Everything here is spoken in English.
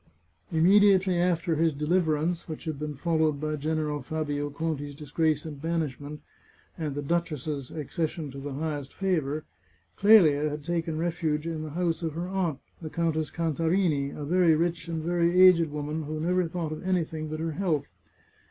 Immediately after his deliverance, which had been fol lowed by General Fabio Conti's disgrace and banishment, and the duchess's accession to the highest favour, Clelia had taken refuge in the house of her aunt, the Countess Can tarini, a very rich and very aged woman, who never thought of anything but her health.